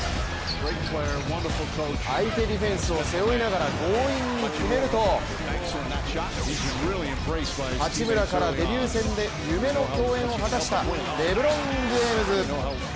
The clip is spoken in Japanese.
相手ディフェンスを背負いながら強引に決めると八村からデビュー戦で夢の共演を果たしたレブロン・ジェームズ。